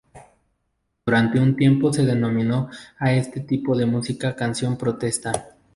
Durante un tiempo se denominó a este tipo de música canción protesta.